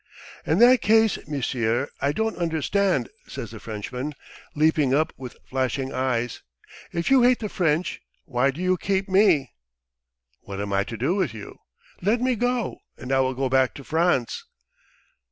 "In that case, monsieur, I don't understand. .." says the Frenchman leaping up with flashing eyes, "if you hate the French why do you keep me?" "What am I to do with you?" "Let me go, and I will go back to France."